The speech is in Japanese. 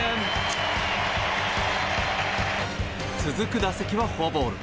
続く打席はフォアボール。